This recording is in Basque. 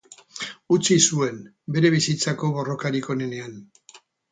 Utzi zuen, bere bizitzako borrokarik onenean.